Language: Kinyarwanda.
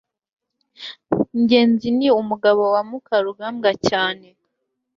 ngenzi ni umugabo wa mukarugambwa cyane